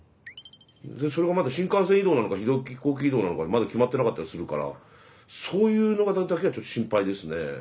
でそれがまだ新幹線移動なのか飛行機移動なのかまだ決まってなかったりするからそういうのだけはちょっと心配ですね。